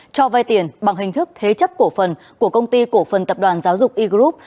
cho vay tiền bằng hình thức thế chấp cổ phần của công ty cổ phần tập đoàn giáo dục e group